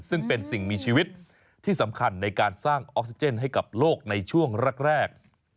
ซึ่งเป็นสิ่งมีชีวิตที่สำคัญในการสร้างออกซิเจนให้กับโลกในช่วงแรก